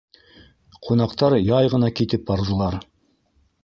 Ҡунаҡтар яй ғына китеп барҙылар.